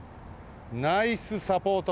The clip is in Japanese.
ナイスサポート！